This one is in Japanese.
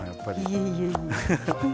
いえいえいえ。